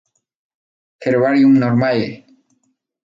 Herbarium Normale.